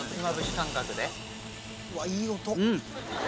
うわっいい音！